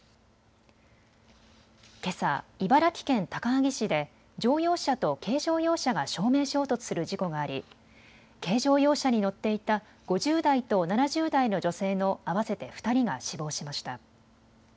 けさ、茨城県高萩市で乗用車と軽乗用車が正面衝突する事故があり軽乗用車に乗っていた５０代と７０代の女性の合わせて２人が死亡しました。